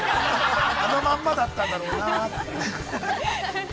あのまんまだったんだろうなって。